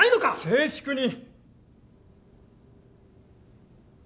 静粛に。